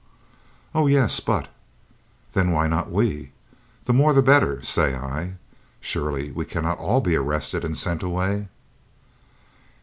"Oh yes, but " "Then why not we? The more the better, say I! Surely we cannot all be arrested and sent away!"